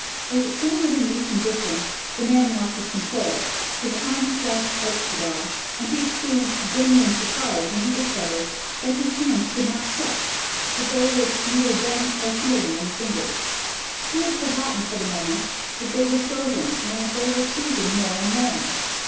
As it came within reaching distance, the man lost his control. His arms flashed out to the dog, and he experienced genuine surprise when he discovered that his hands could not clutch, that there was neither bend nor feeling in the lingers. He had forgotten for the moment that they were frozen and that they were freezing more and more.